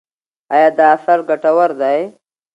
ایا دا اثر ګټور دی؟